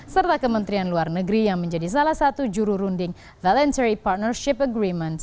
serta kementerian luar negeri yang menjadi salah satu jurunding voluntary partnership agreement